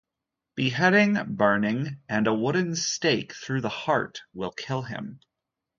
Beheading, burning, and a wooden stake through the heart will kill him.